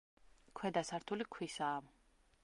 ქვედა სართული ქვისაა.